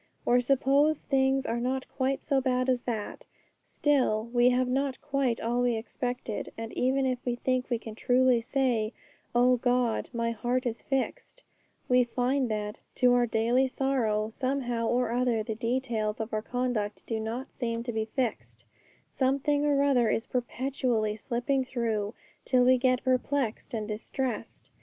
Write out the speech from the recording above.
Or suppose things are not quite so bad as that, still we have not quite all we expected; and even if we think we can truly say, 'O God, my heart is fixed,' we find that, to our daily sorrow, somehow or other the details of our conduct do not seem to be fixed, something or other is perpetually slipping through, till we get perplexed and distressed.